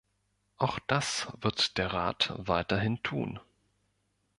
Auch das wird der Rat weiterhin tun.